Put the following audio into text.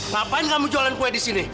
ngapain kamu jualan kue di sini